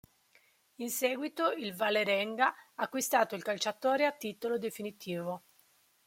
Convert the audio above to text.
In seguito, il Vålerenga ha acquistato il calciatore a titolo definitivo.